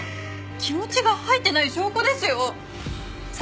気持ちが入ってない証拠ですよ！